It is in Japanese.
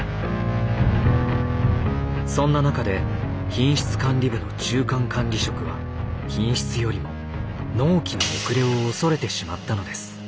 そんな中で品質管理部の中間管理職は品質よりも納期の遅れを恐れてしまったのです。